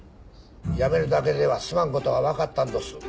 辞めるだけではすまんことが分かったんどす。